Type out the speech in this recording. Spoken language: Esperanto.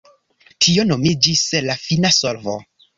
Tio nomiĝis “la fina solvo”.